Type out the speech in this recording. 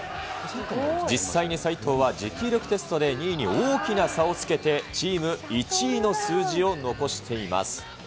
実際に齋藤は、持久力テストで２位に大きな差をつけて、チーム１位の数字を残しています。